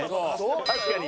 確かに。